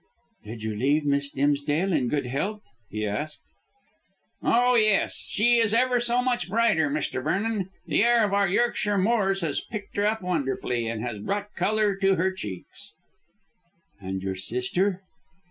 "Did you leave Miss Dimsdale in good health?" he asked. "Oh, yes. She is ever so much brighter, Mr. Vernon. The air of our Yorkshire moors has picked her up wonderfully and has brought colour to her cheeks." "And your sister?"